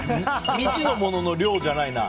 未知のものの量じゃないな。